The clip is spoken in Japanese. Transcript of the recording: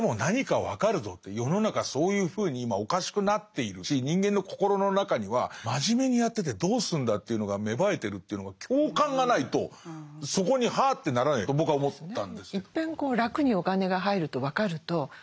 世の中そういうふうに今おかしくなっているし人間の心の中には真面目にやっててどうすんだというのが芽生えてるというのが共感がないとそこにはあってならないと僕は思ったんですけど。